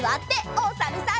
おさるさん。